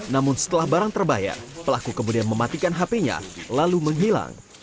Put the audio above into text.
namun setelah barang terbayar pelaku kemudian mematikan hp nya lalu menghilang